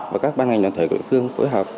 và các ban ngành đoàn thể của địa phương